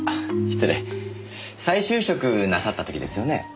再就職なさった時ですよね。